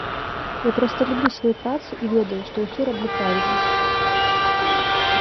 Я проста люблю сваю працу і ведаю, што ўсё раблю правільна.